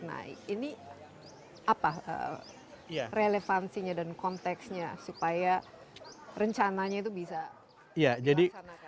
nah ini apa relevansinya dan konteksnya supaya rencananya itu bisa dilaksanakan